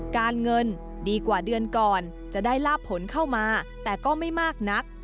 การเงินดีกว่าเดือนก่อนจะได้ลาบผลเข้ามาแต่ก็ไม่มากนัก